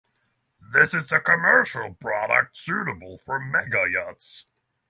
This is a commercial product suitable for mega yachts.